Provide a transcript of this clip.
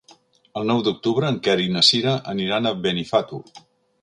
El nou d'octubre en Quer i na Sira aniran a Benifato.